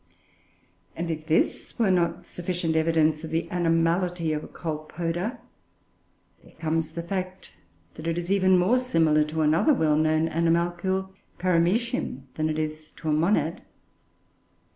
And if this were not sufficient evidence of the animality of Colpoda, there comes the fact that it is even more similar to another well known animalcule, Paramoecium, than it is to a monad.